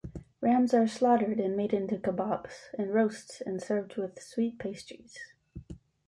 Rams are slaughtered and made into kebabs and roasts and served with sweet pastries.